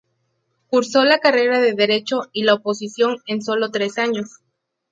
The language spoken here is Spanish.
Cursó la carrera de Derecho y la oposición en solo tres años.